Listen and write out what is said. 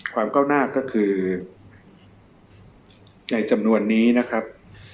ความก้าวหน้าก็คือในจำนวนนี้นะครับ